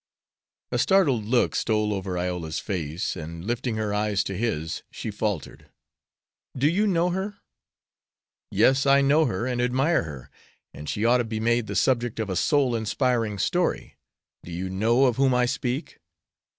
A startled look stole over Iola's face, and, lifting her eyes to his, she faltered: "Do you know her?" "Yes, I know her and admire her; and she ought to be made the subject of a soul inspiring story. Do you know of whom I speak?"